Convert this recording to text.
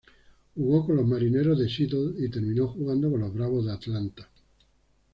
Jugó con los Marineros de Seattle y terminó jugando con los Bravos de Atlanta.